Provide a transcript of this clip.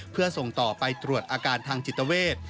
เพื่อส่งต่อไปตรวจอาการทางจิตเวท